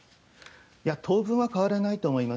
いや、当分は変わらないと思います。